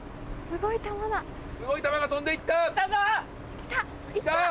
すごい球が飛んで行った！来たぞ！